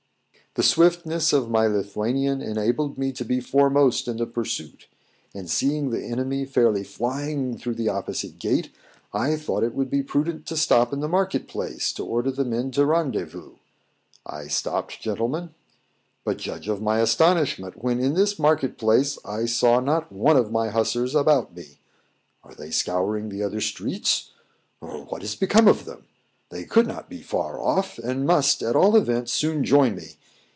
The swiftness of my Lithuanian enabled me to be foremost in the pursuit; and seeing the enemy fairly flying through the opposite gate, I thought it would be prudent to stop in the market place, to order the men to rendezvous. I stopped, gentlemen; but judge of my astonishment when in this market place I saw not one of my hussars about me! Are they scouring the other streets? or what is become of them? They could not be far off, and must, at all events, soon join me.